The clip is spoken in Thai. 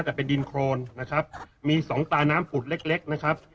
แต่เป็นดินโครนนะครับมีสองตาน้ำผุดเล็กเล็กนะครับ